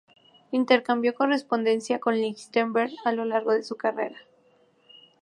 Intercambió correspondencia con Lichtenberg a lo largo de su carrera.